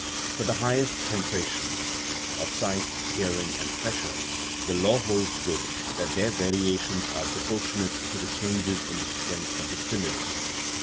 For the highest sensations (of sight, hearing, and press ure) the law holds good that their variations are pro portionate to the changes in the strength of the stimulus.